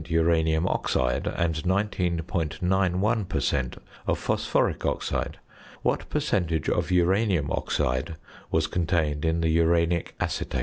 uranium oxide and 19.91 per cent. of phosphoric oxide. What percentage of uranium oxide was contained in the uranic acetate?